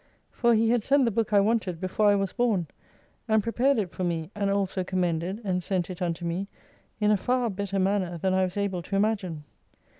For He had sent the book I wanted before I was born : and prepared it for me, and also commended and sent it unto me, in a far better manner than I was able to imagine.